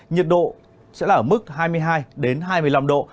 nhiệt độ sẽ là ở mức hai mươi hai hai mươi năm độ